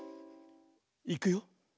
いくよ。